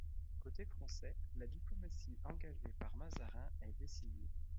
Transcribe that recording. Côté français, la diplomatie engagée par Mazarin est décisive.